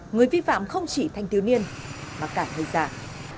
người vi phạm không chỉ thanh tiếu niên mà cả thời gian